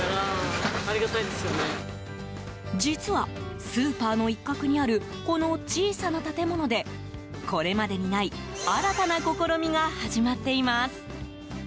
実は、スーパーの一角にあるこの小さな建物でこれまでにない新たな試みが始まっています。